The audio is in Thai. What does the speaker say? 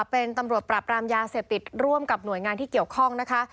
เป็นตำรวจปราบรามยาเสพติดร่วมกับหน่วยงานที่เกี่ยวข้องนะคะ